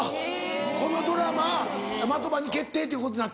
このドラマ的場に決定ということになったのか。